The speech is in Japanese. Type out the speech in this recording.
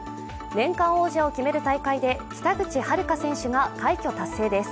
年間王者を決める大会で北口榛花選手が快挙達成です。